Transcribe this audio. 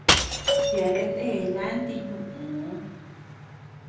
Yeabean nde lanti ñuu.